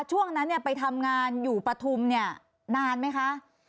ช่วงนั้นไปทำงานอยู่ปฐุมเนี่ยนานไหมคะ